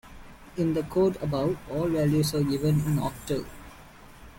In the code above, all values are given in octal.